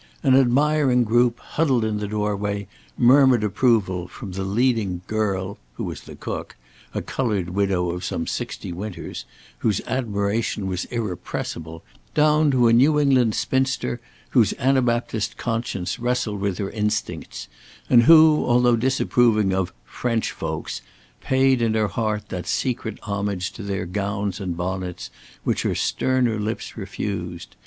An admiring group, huddled in the doorway, murmured approval, from the leading "girl," who was the cook, a coloured widow of some sixty winters, whose admiration was irrepressible, down to a New England spinster whose Anabaptist conscience wrestled with her instincts, and who, although disapproving of "French folks," paid in her heart that secret homage to their gowns and bonnets which her sterner lips refused.